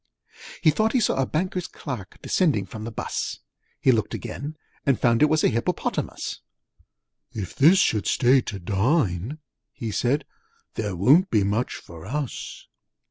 He thought he saw a Banker's Clerk Descending from the bus: He looked again, and found it was A Hippopotamus. 'If this should stay to dine,' he said, 'There won't be much for us!'